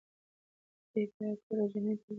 دی به بيا کله جرمني ته لاړ نه شي.